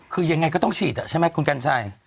คือยังไงก็ต้องฉีดใช่ไหมคุณกัญชัย